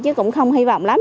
chứ cũng không hy vọng lắm